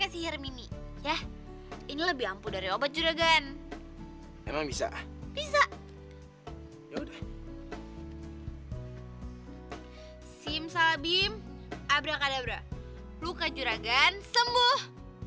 simsalabim abrakadabra luka juragan sembuh